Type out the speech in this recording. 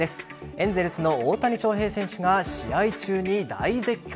エンゼルスの大谷翔平選手が試合中に大絶叫。